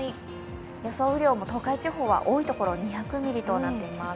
雨量も東海地方は多いところ２００ミリとなっています。